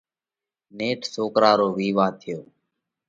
نيٺ سوڪرا رو وِيوا ٿيو۔